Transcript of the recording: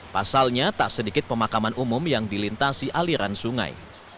pasalnya tak sedikit pemakaman umum yang dilintasi aliran sungai